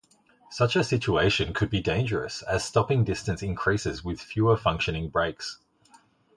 Such a situation could be dangerous, as stopping distance increases with fewer functioning brakes.